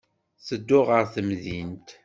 Ttedduɣ ɣer temdint.